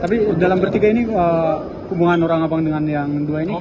tapi dalam bertiga ini hubungan orang abang dengan yang dua ini